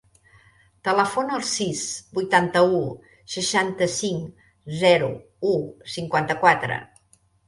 Telefona al sis, vuitanta-u, seixanta-cinc, zero, u, cinquanta-quatre.